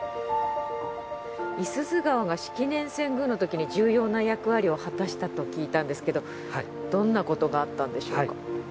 五十鈴川が式年遷宮のときに重要な役割を果たしたと聞いたんですけどどんなことがあったんでしょうか？